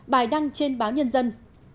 bài đăng trên báo nhân dân